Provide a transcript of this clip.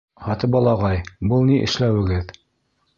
Һатыбал ағай, был ни эшләүегеҙ?